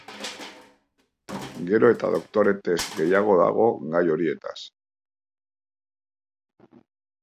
Gero eta doktore-tesi gehiago dago gai horietaz.